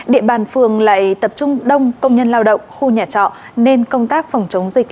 địa bàn phường lại tập trung đông công nhân lao động khu nhà trọ nên công tác phòng chống dịch